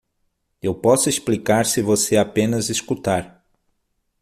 Eu posso explicar se você apenas escutar.